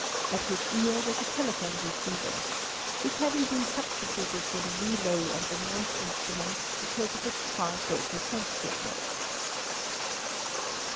At his ear was a telephone receiver, this having been substituted for the relay and the Morse instrument because of its far greater sensitiveness.